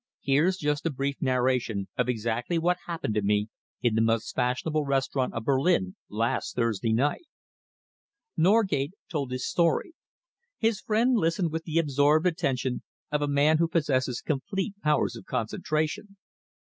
Here's just a brief narration of exactly what happened to me in the most fashionable restaurant of Berlin last Thursday night." Norgate told his story. His friend listened with the absorbed attention of a man who possesses complete powers of concentration.